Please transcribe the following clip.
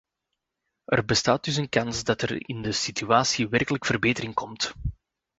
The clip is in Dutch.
Er bestaat dus een kans dat er in de situatie werkelijk verbetering komt.